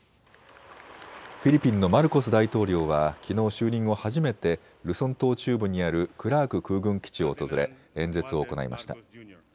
フィリピンのマルコス大統領はきのう就任後、初めてルソン島中部にあるクラーク空軍基地を訪れ演説を行いました。